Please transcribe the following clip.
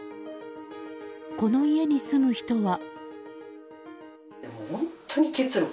この家に住む人は。